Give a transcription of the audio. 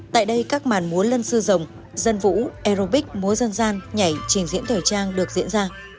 tại đây các màn múa lân sư rồng dân vũ aerobics múa dân gian nhảy trình diễn thời trang được diễn ra